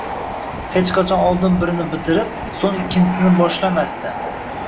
Hech qachon oldin birini bitirib, so'ng ikkinchisini boshlamasdi.